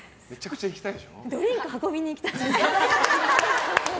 ドリンク運びに行きたいですね。